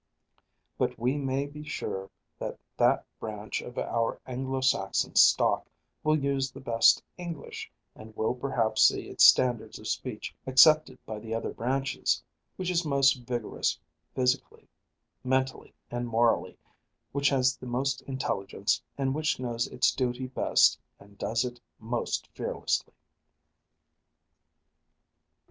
But we may be sure that that branch of our Anglo Saxon stock will use the best English, and will perhaps see its standards of speech accepted by the other branches, which is most vigorous physically, mentally, and morally, which has the most intelligence, and which knows its duty best and does it most fearlessly.